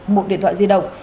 một điện thoại di động